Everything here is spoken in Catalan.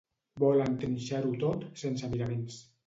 Volen trinxar-ho tot sense miraments.